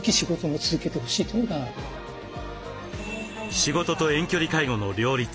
仕事と遠距離介護の両立。